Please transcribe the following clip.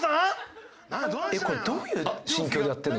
これどういう心境でやってんの？